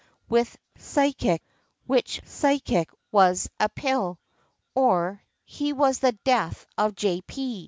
with physic, which physic was a pill;" or, "He was the death of J. P.